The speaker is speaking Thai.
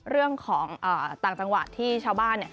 เรื่องของต่างจังหวัดที่ชาวบ้าน